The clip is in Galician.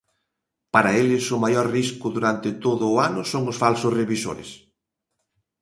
Para eles o maior risco durante todo o ano son os falsos revisores.